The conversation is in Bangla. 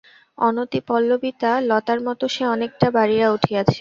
অনতি-পল্লবিতা লতার মতো সে অনেকটা বাড়িয়া উঠিয়াছে।